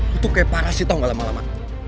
lo tuh kayak parasit tau gak lama lama